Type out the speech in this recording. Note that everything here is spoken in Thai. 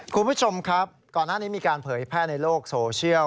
คุณผู้ชมครับก่อนหน้านี้มีการเผยแพร่ในโลกโซเชียล